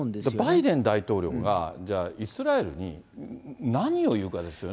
バイデン大統領が、じゃあ、イスラエルに何を言うかですよね。